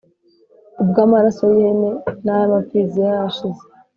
ubwo amaraso y ihene n ay amapfizi yari ashize